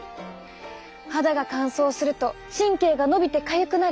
肌が乾燥すると神経が伸びてかゆくなる。